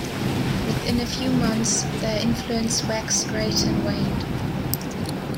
Within a few months their influence waxed great and waned.